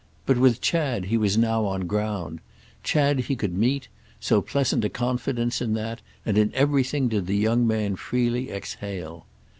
But with Chad he was now on ground—Chad he could meet; so pleasant a confidence in that and in everything did the young man freely exhale.